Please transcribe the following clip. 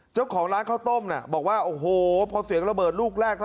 เจ้าของร้านข้าวต้มเนี่ยบอกว่าโอ้โหพอเสียงระเบิดลูกแรก